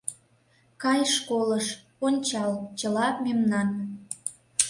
Кай школыш, ончал — чыла мемнан...